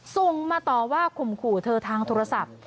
ส่งมาต่อว่าข่มขู่เธอทางโทรศัพท์